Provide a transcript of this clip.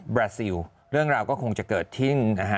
บราซิลเรื่องเราก็คงจะเกิดที่